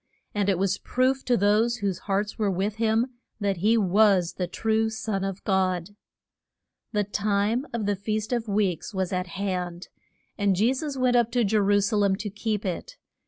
And it was proof to those whose hearts were with him that he was the true Son of God. The time of the Feast of Weeks was at hand, and Je sus went up to Je ru sa lem to keep it.